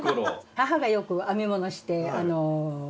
母がよく編み物してあの。